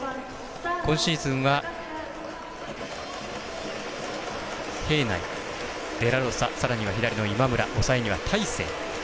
今シーズンは平内、デラロサさらには左の今村抑えには、大勢。